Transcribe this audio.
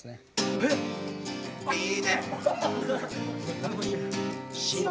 えあいいね！